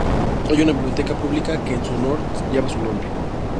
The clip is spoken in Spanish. Hay una biblioteca pública que en su honor que lleva su nombre.